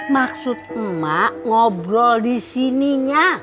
maksud emak ngobrol di sininya